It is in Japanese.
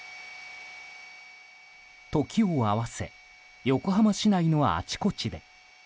時を合わせ横浜市内のあちこちで。